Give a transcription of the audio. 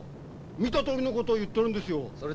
見たとおりのことを言っとるんですよ。